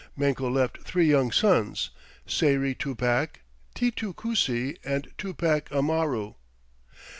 Manco left three young sons, Sayri Tupac, Titu Cusi, and Tupac Amaru.